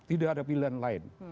tidak ada pilihan lain